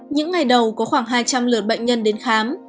những ngày đầu có khoảng hai trăm linh lượt bệnh nhân đến khám